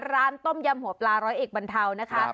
ร้านต้มยำหัวปลาร้อยเอกบรรเทานะคะ